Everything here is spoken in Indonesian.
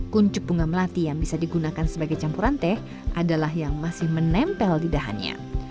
kuncup bunga melati yang bisa digunakan sebagai campuran teh adalah yang masih menempel di dahannya